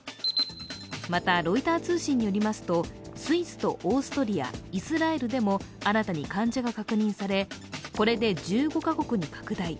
また、ロイター通信によりますとスイスとオーストリアイスラエルでも新たに患者が確認され、これで１５カ国に拡大。